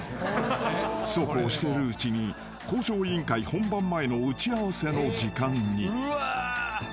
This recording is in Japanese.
［そうこうしているうちに『向上委員会』本番前の打ち合わせの時間に］